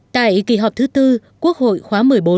tại kỳ họp thứ tư quốc hội khóa một mươi bốn